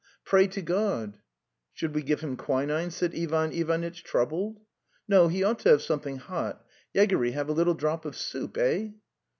... Pray to God." 'Should we give him quinine? ... Ivanitch, troubled. ~* No; he ought to have something hot. ... Yegory, have a little drop of soup? Eh?"